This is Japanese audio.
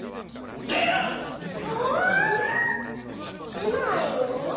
でないよ？